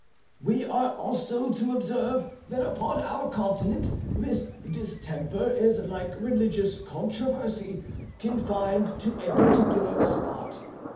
We are also to observe that upon our continent, this distemper is like religious controversy, confined to a particular spot.